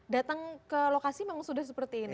datang ke lokasi memang sudah seperti ini